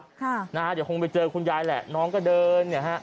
เดี๋ยวคงไปเจอคุณยายแล้วน้องก็เดิน